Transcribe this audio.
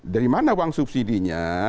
dari mana uang subsidi nya